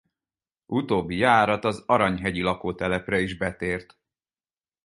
Utóbbi járat az Aranyhegyi lakótelepre is betért.